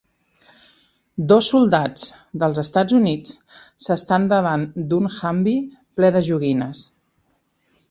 Dos soldats dels EUA s'estan davant d'un Humvee ple de joguines.